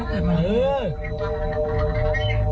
มันไม่อยู่แล้ว